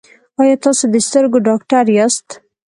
ایا تاسو د سترګو ډاکټر یاست؟